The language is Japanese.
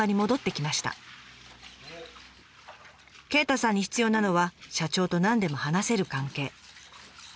鯨太さんに必要なのは社長と何でも話せる関係。